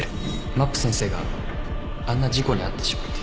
まっぷ先生があんな事故に遭ってしまって